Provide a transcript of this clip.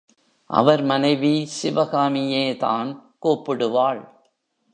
அவர் மனைவி சிவகாமியேதான் கூப்பிடுவாள்.